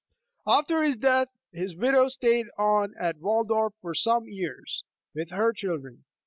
After his death, his widow stayed on at Waldorf for some years, with her children.